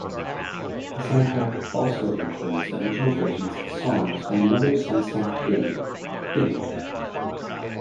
The soundtrack also includes original versions of songs from another Sunsoft game, Gimmick!